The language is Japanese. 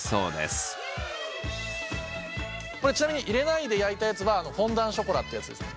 ちなみに入れないで焼いたやつはフォンダンショコラってやつですね。